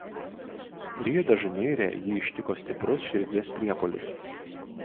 Rio de Žaneire jį ištiko stiprus širdies priepuolis.